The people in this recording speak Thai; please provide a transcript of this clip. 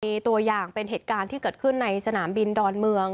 มีตัวอย่างเป็นเหตุการณ์ที่เกิดขึ้นในสนามบินดอนเมือง